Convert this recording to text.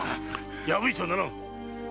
破いてはならぬ！